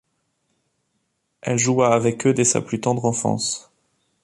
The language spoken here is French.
Elle joua avec eux dès sa plus tendre enfance.